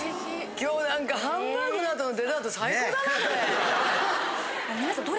今日何かハンバーグの後のデザート最高だなこれ。